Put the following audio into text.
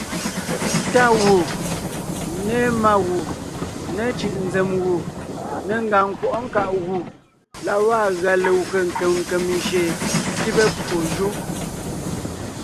Tá gù, ne má gu, me cʉ̀ʼ nzèm gù, ne ngàŋ nkwɔʼɔ́ nkáʼ gù la gwaa gʉa legwé nkèm nkèm jÿeen nkíbe pwó jú.